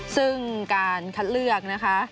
ซึ่งการคัดเลือก